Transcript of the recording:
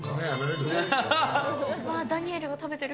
ダニエルが食べてる。